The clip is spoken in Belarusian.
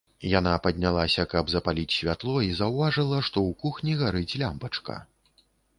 Яна паднялася, каб запаліць святло, і заўважыла, што ў кухні гарыць лямпачка.